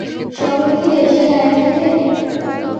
সকলে কি দেশে গাঁয়ে থাকে?